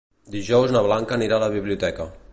Dijous na Blanca anirà a la biblioteca.